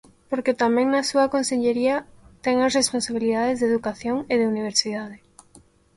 Porque tamén na súa consellería ten as responsabilidades de educación e de universidade.